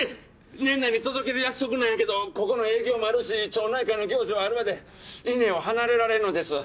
年内に届ける約束なんやけどここの営業もあるし町内会の行事はあるわで伊根を離れられんのです。